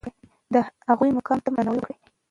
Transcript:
د هغوی مقام ته درناوی وکړئ.